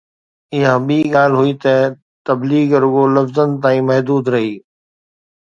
اها ٻي ڳالهه هئي ته تبليغ رڳو لفظن تائين محدود رهي.